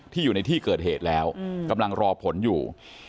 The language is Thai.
อยู่ในที่เกิดเหตุแล้วกำลังรอผลอยู่